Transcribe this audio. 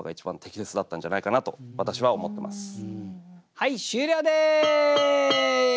はい終了です！